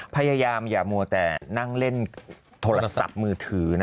พยายามอย่ามัวแต่นั่งเล่นโทรศัพท์มือถือนะ